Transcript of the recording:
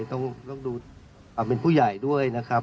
ต้องดูเป็นผู้ใหญ่ด้วยนะครับ